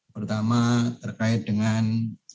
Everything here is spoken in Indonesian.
pertama terkait dengan